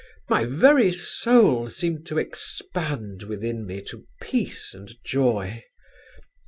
My very soul seemed to expand within me to peace and joy.